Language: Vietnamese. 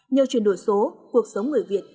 nhờ chuyển đổi số cuộc sống người việt